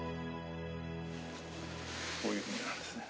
こういうふうになるんですね。